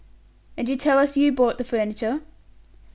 "And you tell us you bought the furniture?"